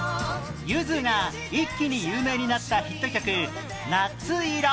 ゆずが一気に有名になったヒット曲『夏色』